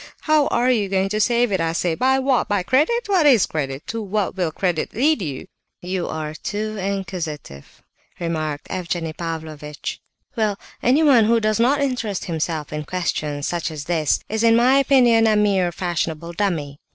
How are you going to save it, I say? By what? By credit? What is credit? To what will credit lead you?" "You are too inquisitive," remarked Evgenie Pavlovitch. "Well, anyone who does not interest himself in questions such as this is, in my opinion, a mere fashionable dummy."